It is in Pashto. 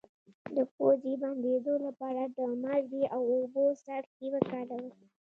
د پوزې د بندیدو لپاره د مالګې او اوبو څاڅکي وکاروئ